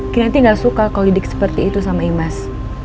kinanti gak suka kalau dik seperti itu sama imas